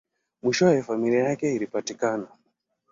Mwishowe, familia yake ilipatikana.